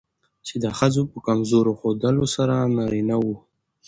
چې د ښځو په کمزور ښودلو سره نارينه وو